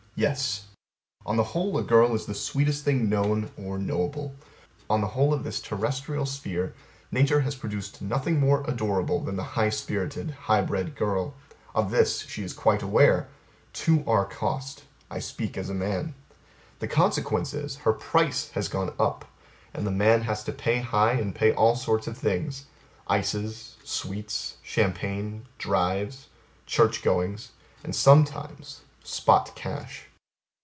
Yes. On the whole a girl is the sweetest thing known or knowable. On the 6 whole of this terrestrial sphere Nature has produced nothing more adorable than the high spirited high bred girl. Of this she is quite aware to our cost (I speak as a man). The consequence is, her price has gone up, and man has to pay high and pay all sorts of things ices, sweets, champagne, drives, church goings, and sometimes spot cash.